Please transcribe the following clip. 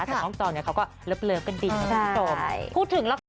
แต่ท่องจอเนี่ยเขาก็เลิบเลิบกระดิ่งแล้วพูดถึงแล้วค่ะ